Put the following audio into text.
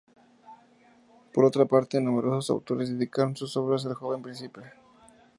Por otra parte, numerosos autores dedicaron sus obras al joven príncipe.